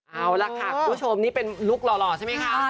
เอาล่ะค่ะคุณผู้ชมนี่เป็นลุคหล่อใช่ไหมคะ